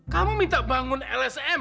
kamu minta bangun lsm